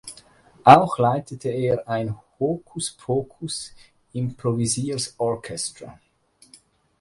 Auch leitete er ein "Hocus Pocus Improvisers Orchestra".